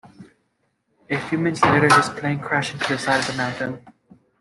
A few minutes later, his plane crashed into the side of the mountain.